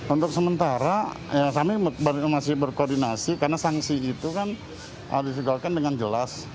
untuk sementara kami masih berkoordinasi karena sanksi itu kan harus disegalkan dengan jelas